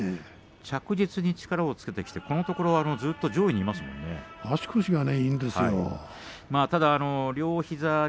確実に力をつけてきてこのところ上位にいますね。